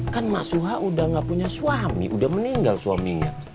kan mas suha udah gak punya suami udah meninggal suaminya